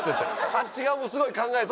あっち側もすごい考えて。